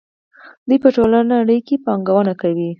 دوی په ټوله نړۍ کې پانګونه کوي.